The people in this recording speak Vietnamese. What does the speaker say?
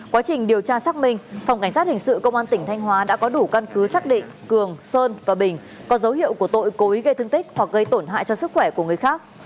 quá trình điều tra xác minh phòng cảnh sát hình sự công an tỉnh thanh hóa đã có đủ căn cứ xác định cường sơn và bình có dấu hiệu của tội cố ý gây thương tích hoặc gây tổn hại cho sức khỏe của người khác